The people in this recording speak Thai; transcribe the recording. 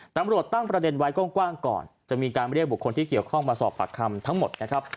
ตำรวจตั้งประเด็นไว้กว้างก่อนจะมีการเรียกบุคคลที่เกี่ยวข้องมาสอบปากคำทั้งหมดนะครับ